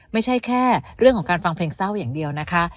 ไม่ใช่แค่เรื่องของการฟังเพลงเศร้าอย่างเดียวนะคะ